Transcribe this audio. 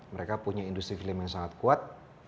mereka punya industri film yang sangat kuat